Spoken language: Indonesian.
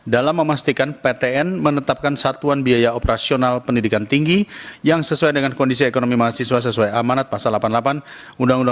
dalam memastikan ptn menetapkan satuan biaya operasional pendidikan tinggi yang sesuai dengan kondisi ekonomi mahasiswa sesuai alasan